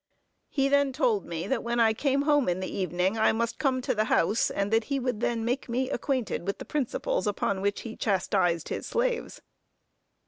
He then told me, that when I came home in the evening I must come to the house; and that he would then make me acquainted with the principles upon which he chastised his slaves.